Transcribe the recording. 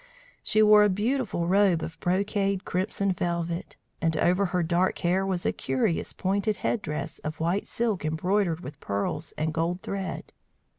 She wore a beautiful robe of brocaded crimson velvet, and over her dark hair was a curious, pointed head dress of white silk embroidered with pearls and gold thread.